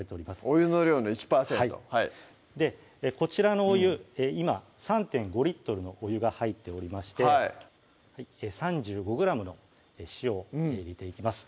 お湯の量の１％はいこちらのお湯今３．５リットルのお湯が入っておりまして３５ｇの塩を入れていきます